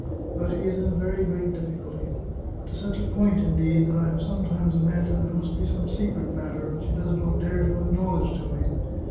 But he is in a very great difficulty — to such a point, indeed, that I have sometimes imagined there must be some secret mat ter which he does not dare to acknowledge to me.